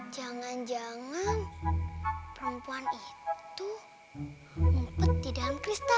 jangan jangan perempuan itu mumpet di dalam kristal